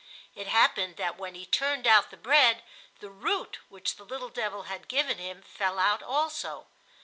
It happened that when he turned out the bread the root which the little devil had given him fell out also.